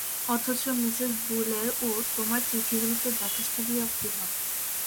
অথচ মিসেস বুলের ও তোমার চিঠিগুলিতে যথেষ্ট বিরক্তিভাব।